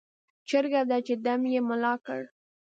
جرګه ده چې ډم یې ملا کړ.